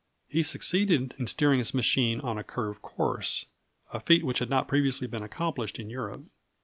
He succeeded in steering his machine in a curved course, a feat which had not previously been accomplished in Europe.